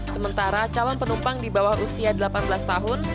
sementara calon penumpang di bawah usia delapan belas tahun